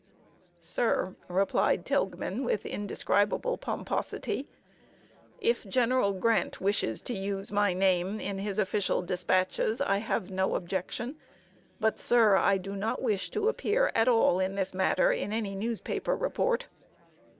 "Sir," replied Tilghman, with indescribable pomposity, "if General Grant wishes to use my name in his official dispatches, I have no objection; but, sir, I do not wish to appear at all in this matter in any newspaper report."